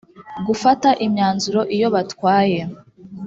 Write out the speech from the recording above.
gufata imyanzuro iyo batwaye